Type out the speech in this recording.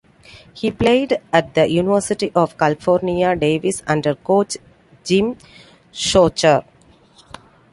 He played at the University of California, Davis under coach Jim Sochor.